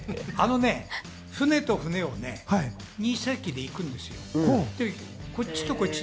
あのね、船と船、２隻で行くんですよ。